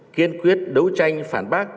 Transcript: kiên quyết đấu tranh phản bác